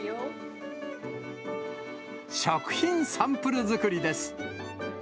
食品サンプル作りです。